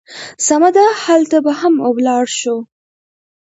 سمه ده، هلته به هم ولاړ شو.